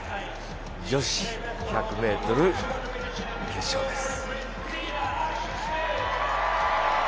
女子１００ｍ決勝です。